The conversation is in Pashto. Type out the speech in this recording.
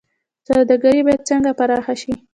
سوداګري باید څنګه پراخه شي؟